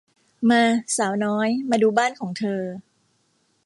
มา สาวน้อย มาดูบ้านของเธอ